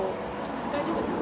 大丈夫ですか。